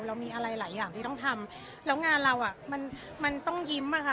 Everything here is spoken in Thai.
เรามีอะไรหลายอย่างที่ต้องทำแล้วงานเราอ่ะมันมันต้องยิ้มอ่ะค่ะ